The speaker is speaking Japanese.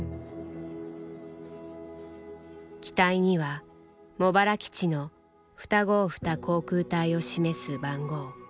機体には茂原基地の２５２航空隊を示す番号。